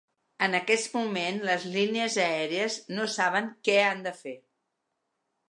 En aquest moment les línies aèries no saben què han de fer.